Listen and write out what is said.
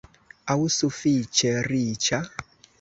aŭ sufiĉe riĉa?